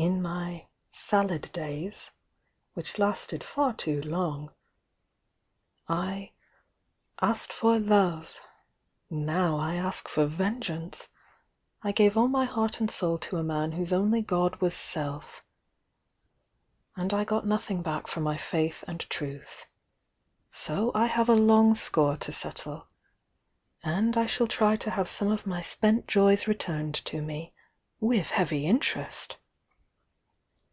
In my salad days,' which lasted far too long, I 'asked for love —now I ask for vengeance ! I gave all my heart and soul to a man whose only god was Self —and I got nothing back for my faith and truth. So I have a long score to settle!— and I shall try to have some of my spent joys returned to me— with heavv in terest!"